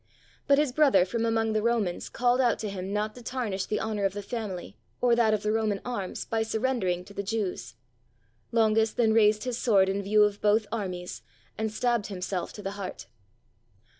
But his brother from among the Romans called out to him not to tarnish the honor of the family or that of the Roman arms by surrendering to the Jews. Longus then raised his sword in view of both armies and stabbed himself to the heart.